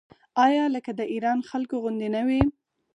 آیا لکه د ایران خلکو غوندې نه وي؟